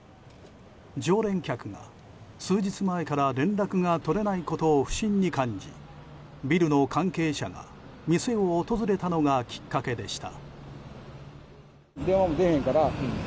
常連客が、数日前から連絡が取れないことを不審に感じビルの関係者が店を訪れたのがきっかけでした。